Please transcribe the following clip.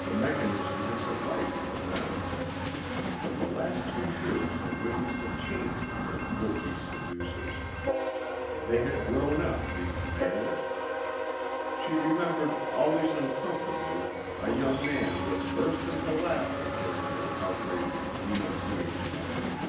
The mechanism had sufficed for them. But the last two years had witnessed a change in her would be seducers. They had grown up, these males. She remembered always uncomfortably a young man who had burst into laughter during her outraged denunciation of him.